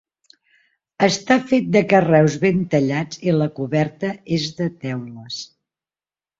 Està fet de carreus ben tallats i la coberta és de teules.